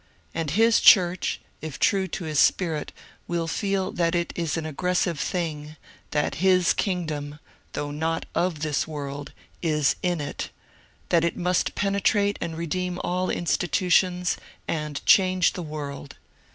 And his church, if true to his Spirit, will feel that it is an aggres sive thing ; that his kingdom, though not of this world, is in it ; that it must penetrate and redeem all institutions, and change the world.